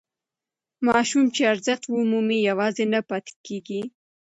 ماسوم چې ارزښت ومومي یوازې نه پاتې کېږي.